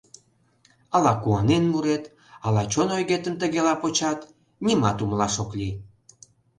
Ала куанен мурет, ала чон ойгетым тыгела почат — нимат умылаш ок лий.